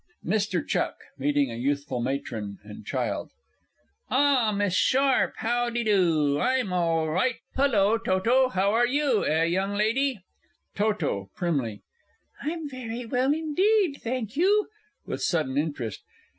MR. CHUCK (meeting a youthful Matron and Child). Ah, Mrs. Sharpe, how de do! I'm all right. Hullo, TOTO, how are you, eh, young lady? TOTO (primly). I'm very well indeed, thank you. (_With sudden interest.